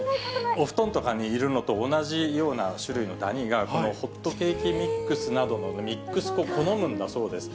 お布団とかにいるのと同じような種類のダニが、このホットケーキミックスなどのミックス粉を好むんだそうです。